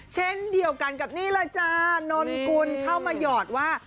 เช่นเดียวกันกับนี่เลยจ้านนกุลเข้ามาหยอดว่า